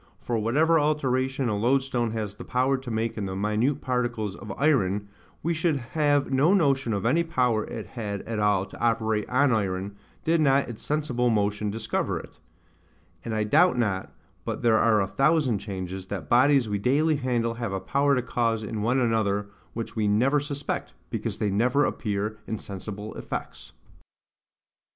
For whatever alteration a loadstone has the power to make in the minute particles of iron, we should have no notion of any power it had at all to operate on iron, did not its sensible motion discover it: and I doubt not, but there are a thousand changes, that bodies we daily handle have a power to cause in one another, which we never suspect, because they never appear in sensible effects.